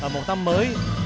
một năm mới